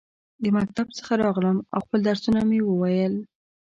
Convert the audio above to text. د مکتب څخه راغلم ، او خپل درسونه مې وویل.